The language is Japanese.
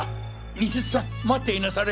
西津さん待っていなされ！